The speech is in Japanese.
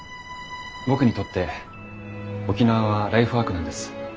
僕にとって沖縄はライフワークなんです。